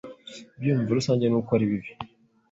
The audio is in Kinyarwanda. Ibyiyumvo rusange ni uko ari bibi.